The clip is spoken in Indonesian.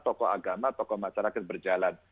tokoh agama tokoh masyarakat berjalan